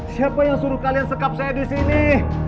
siapa yang suruh kalian sekap saya disini